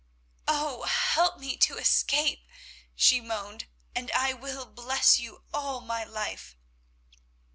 "Oh! help me to escape," she moaned, "and I will bless you all my life."